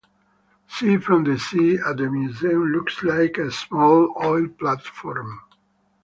Seen from the sea the museum looks like a small oil platform.